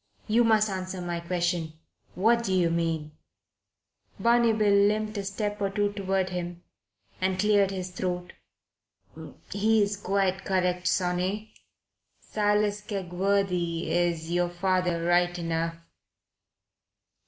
"You must answer my question. What do you mean?" Barney Bill limped a step or two toward him and cleared his throat. "He's quite correct, sonny. Silas Kegworthy's your father right enough."